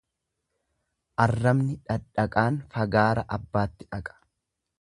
Arrabni dhadhaqaan fagaara abbaatti dhaqa.